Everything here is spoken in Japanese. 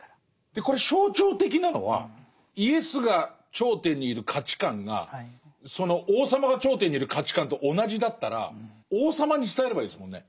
これ象徴的なのはイエスが頂点にいる価値観がその王様が頂点にいる価値観と同じだったら王様に伝えればいいですもんね。